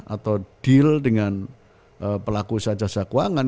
atau deal dengan pelaku sejasa keuangan